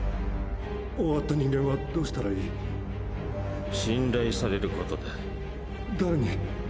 終わった人間はどうした信頼されることだ誰に？